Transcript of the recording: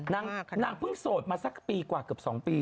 นางเพิ่งโสดมาสักปีกว่าเกือบ๒ปี